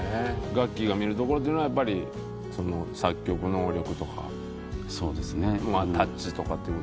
がっきーが見るところはやっぱり作曲能力とかタッチとか？